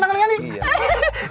di belakang kan